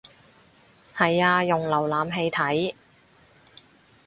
係啊用瀏覽器睇